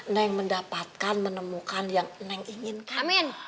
neng mendapatkan menemukan yang neng inginkan